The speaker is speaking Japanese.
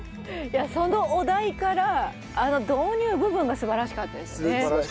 そのお題から素晴らしかったですね。